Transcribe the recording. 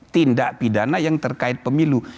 tindak pidana yang terkait pemilu